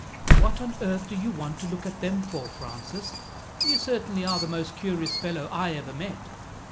"What on earth do you want to look at them for, Francis? You certainly are the most curious fellow I ever met.